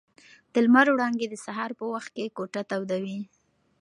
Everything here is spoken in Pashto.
د لمر وړانګې د سهار په وخت کې کوټه تودوي.